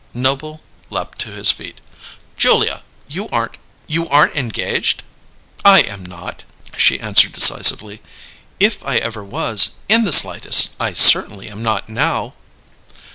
Noble leaped to his feet. "Julia! You aren't you aren't engaged?" "I am not," she answered decisively. "If I ever was in the slightest I certainly am not now."